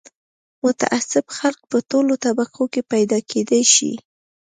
متعصب خلک په ټولو طبقو کې پیدا کېدای شي